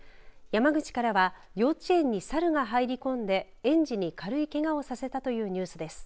山口からは幼稚園に猿が入り込んで園児に軽いけがをさせたというニュースです。